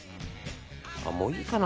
もういいかな？